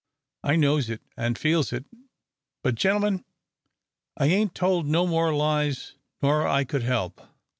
I knows it an' feels it, but gen'l'men I ain't told no more lies nor I could help.